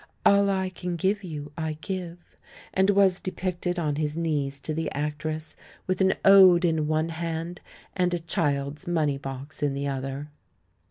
All I can give you, I give"; and was depicted on his knees to the actress, with an ode in one hand and a child's money box in the other.